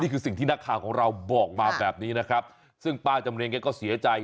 นี่คือสิ่งที่นักข่าวของเราบอกมาแบบนี้นะครับซึ่งป้าจำเรียงแกก็เสียใจ